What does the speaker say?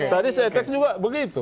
tadi saya cek juga begitu